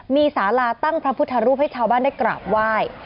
มีสาราตั้งพระพุทธรูปให้ชาวบ้านได้กราบไหว้